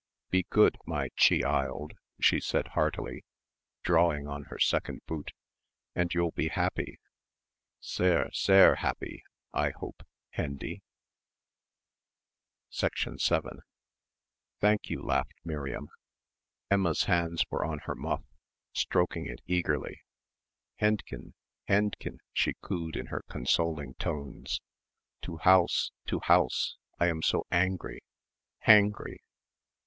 Be good, my che hild," she said heartily, drawing on her second boot, "and you'll be happy sehr sehr happy, I hope, Hendy." 7 "Thank you," laughed Miriam. Emma's hands were on her muff, stroking it eagerly. "Hendchen, Hendchen," she cooed in her consoling tones, "to house to house, I am so angry hangry."